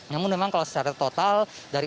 namun memang kalau secara total dari